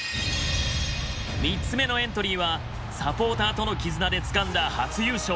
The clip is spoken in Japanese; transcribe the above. ３つ目のエントリーはサポーターとの絆でつかんだ初優勝。